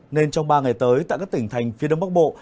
nên trong ba ngày tới tại các tỉnh thành phía đông bắc bộ